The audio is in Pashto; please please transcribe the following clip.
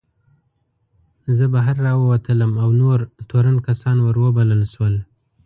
زه بهر راووتلم او نور تورن کسان ور وبلل شول.